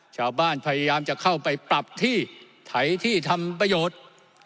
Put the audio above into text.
พยายามจะเข้าไปปรับที่ไถที่ทำประโยชน์